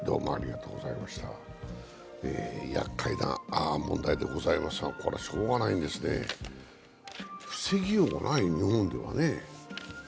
やっかいな問題でございますが、これ、しょうがないんですね、防ぎようがないものだよね。